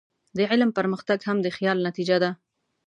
د علم پرمختګ هم د خیال نتیجه ده.